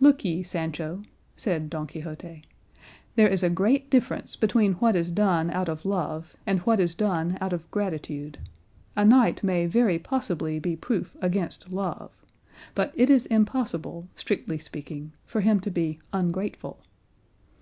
"Look ye, Sancho," said Don Quixote, "there is a great difference between what is done out of love and what is done out of gratitude. A knight may very possibly be proof against love; but it is impossible, strictly speaking, for him to be ungrateful.